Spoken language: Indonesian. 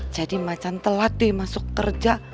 jadi macan telat deh masuk kerja